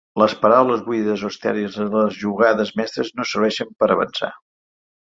“Les paraules buides o estèrils i les jugades mestres no serveixen per avançar”.